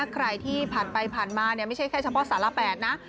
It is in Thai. ใครที่ผ่านไปผ่านมาไม่ใช่แค่เฉพาะสาร๘นะ